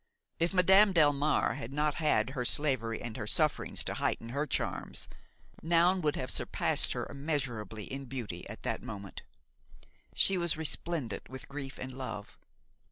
If Madame Delmare had not had her slavery and her sufferings to heighten her charms, Noun would have surpassed her immeasurably in beauty at that moment; she was resplendent with grief and love.